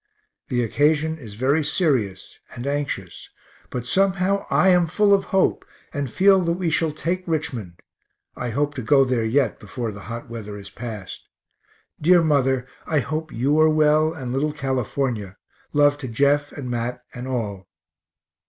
The occasion is very serious, and anxious, but somehow I am full of hope, and feel that we shall take Richmond (I hope to go there yet before the hot weather is past). Dear mother, I hope you are well, and little California love to Jeff and Mat and all.